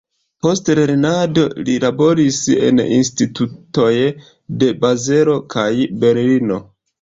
Post lernado li laboris en institutoj de Bazelo kaj Berlino.